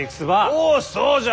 おぉそうじゃ。